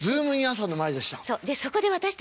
朝！」の前でした。